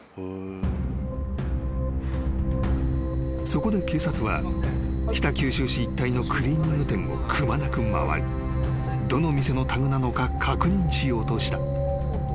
［そこで警察は北九州市一帯のクリーニング店をくまなく回りどの店のタグなのか確認しようとした］